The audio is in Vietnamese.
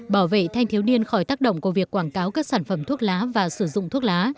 bảo vệ thanh thiếu niên khỏi tác động của việc quảng cáo các sản phẩm thuốc lá và sử dụng thuốc lá